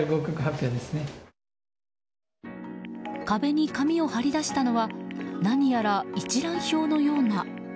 壁に紙を貼り出したのは何やら一覧表のような。